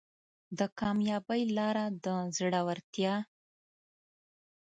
د کامیابۍ لاره د زړورتیا